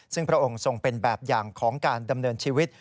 ซึ่งพระองค์ทรงเป็นแบบอย่างของการดำเนินชีวิต